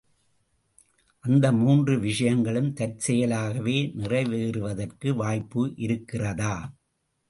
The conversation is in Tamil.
அந்த மூன்று விஷயங்களும் தற்செயலாகவே நிறைவேறுவதற்கு வாய்ப்பு இருக்கிறதா?